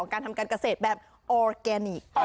การทำการเกษตรแบบออร์แกนิค